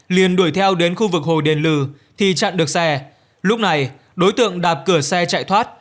liền đuổi theo đến khu vực hồ đền lừ thì chặn được xe lúc này đối tượng đạp cửa xe chạy thoát